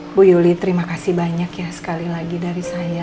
ibu yuli terima kasih banyak ya sekali lagi dari saya